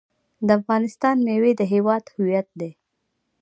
د افغانستان میوې د هیواد هویت دی.